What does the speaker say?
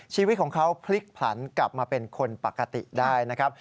ชีวิตของเขาพลิกผลันกลับมาเป็นคนปกติได้นะครับ